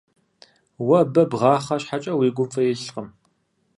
Уэ бэ бгъахъэ щхьэкӀэ, уи гум фӀы илъкъым.